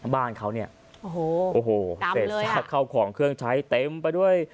บ้านเขาเนี่ยโอ้โหเสธเฮาะครองเครื่องใช้เต็มไปด้วย